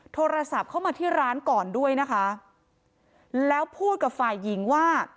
โทรศัพท์เข้ามาที่ร้านก่อนด้วยนะคะแล้วพูดกับฝ่ายหญิงว่า